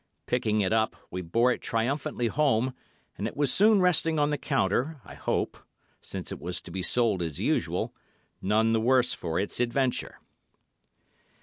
Picking it up, we bore it triumphantly home, and it was soon resting on the counter, I hope—since it was to be sold as usual—none the worse for its adventure.